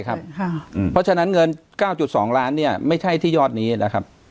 เพราะฉะนั้นเงิน๙๒ล้านไม่ใช่ที่ยอดนี้นะครับ